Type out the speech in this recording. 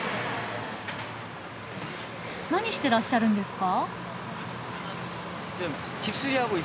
何してらっしゃるんですか？